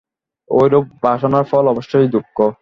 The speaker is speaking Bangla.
এইরূপ বাসনার ফল অবশ্যই দুঃখ।